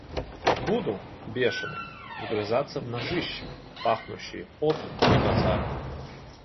Буду, бешеный, вгрызаться в ножища, пахнущие потом и базаром.